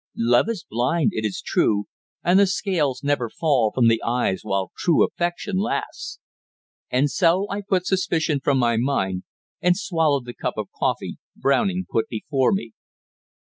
Love is blind, it is true, and the scales never fall from the eyes while true affection lasts. And so I put suspicion from my mind, and swallowed the cup of coffee Browning put before me.